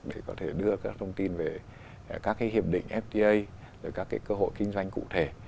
để có thể đưa các thông tin về các cái hiệp định fta các cái cơ hội kinh doanh cụ thể